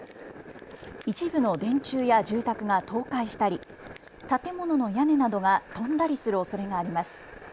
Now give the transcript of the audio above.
一部の電柱や住宅が倒壊したり建物の屋根などが飛んだりするおそれがあります。